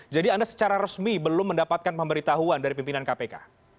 jadi anda secara resmi belum mendapatkan pemberitahuan dari pimpinan kpk